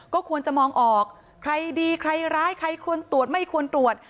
ก็ควรจะมองออกใครดีใครร้ายใครควรตรวจไม่ควรตรวจ